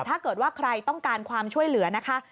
ถ้าเกิดว่าใครต้องการความช่วยเหลือนะคะ